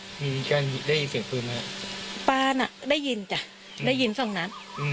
อืมก็ได้ยินเสียงพื้นแล้วป้าน่ะได้ยินจ้ะได้ยินส่องนั้นอืม